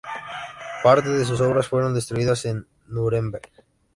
Parte de sus obras fueron destruidas en Núremberg.